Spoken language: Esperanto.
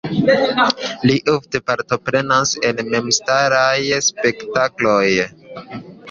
Li ofte partoprenas en memstaraj spektakloj.